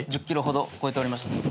１０キロほど超えておりました。